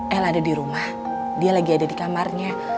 el ada di rumah dia lagi ada di kamarnya